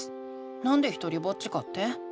なんでひとりぼっちかって？